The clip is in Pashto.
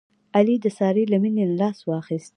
علي د سارې له مینې نه لاس واخیست.